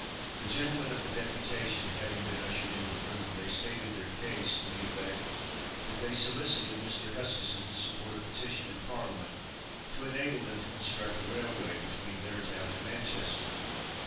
The gentlemen of the deputation having been ushered into the room, they stated their case, to the effect that they solicited Mr. Huskisson to support a petition in parliament to enable them to construct a railway between their town and Manchester.